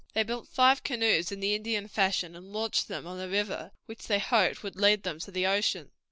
They built five canoes in the Indian fashion, and launched them on the river, which they hoped would lead them to the ocean.